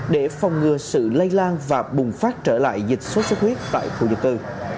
để phòng ngừa sự lây lan và bùng phát trở lại dịch sốt xuất huyết tại khu dân cư